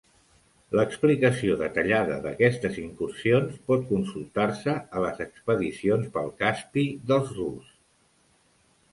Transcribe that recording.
L'explicació detallada d'aquestes incursions pot consultar-se a les expedicions pel Caspi dels Rus'.